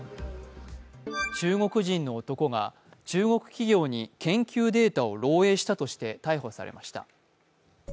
中国人の男が中国企業に研究データを漏えいしたとして逮捕されました。